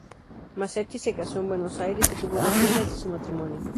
Masetti se casó en Buenos Aires y tuvo dos hijas de su matrimonio.